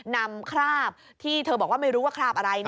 คราบที่เธอบอกว่าไม่รู้ว่าคราบอะไร